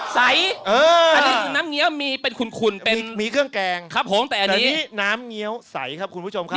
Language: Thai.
ใสอันนี้น้ำเงี๊ยวมีเป็นขุนมีเครื่องแกงแต่นี่น้ำเงี๊ยวใสครับคุณผู้ชมครับ